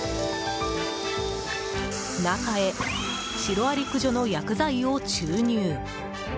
中へシロアリ駆除の薬剤を注入。